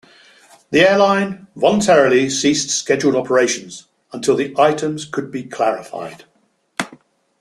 The airline voluntarily ceased scheduled operations until the items could be clarified.